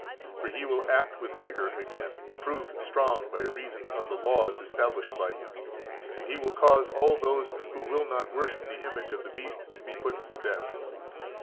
For he will act with vigour again, and prove strong by reason of the laws established by him; and he will cause all those who will not worship the image of the beast to be put to death.